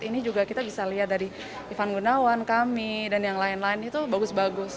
ini juga kita bisa lihat dari ivan gunawan kami dan yang lain lain itu bagus bagus